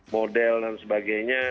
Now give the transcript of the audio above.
model dan sebagainya